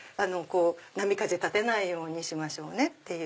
「波風立てないようにしましょうね」っていう。